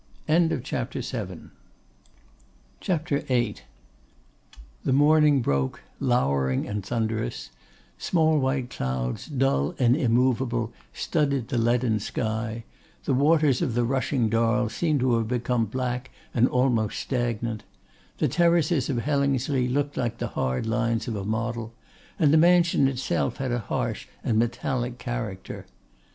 CHAPTER VIII The morning broke lowering and thunderous; small white clouds, dull and immovable, studded the leaden sky; the waters of the rushing Darl seemed to have become black and almost stagnant; the terraces of Hellingsley looked like the hard lines of a model; and the mansion itself had a harsh and metallic character.